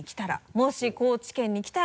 「もし高知県に来たら」